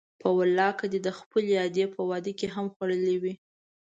په والله که دې د خپلې ادې په واده کې هم خوړلي وي.